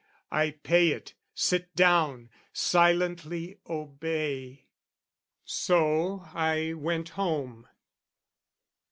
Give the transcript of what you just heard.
"I pay it, sit down, silently obey." So, I went home.